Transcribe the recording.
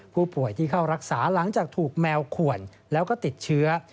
ผู้ป่วยที่เข้ารักษาหลังจากถูกแมวขวนแล้วก็ติดเชื้อ